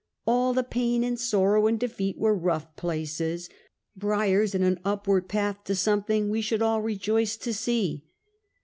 All the pain, and sorrow, and defeat, were rough places — briars in an upward path to something we should all rejoice to see.